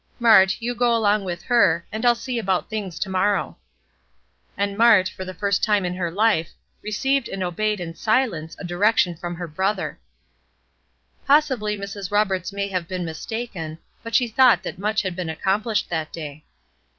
"Mart, you go along with her, and I'll see about things to morrow." And Mart, for the first time in her life, received and obeyed in silence a direction from her brother. Possibly Mrs. Roberts may have been mistaken, but she thought that much had been accomplished that day.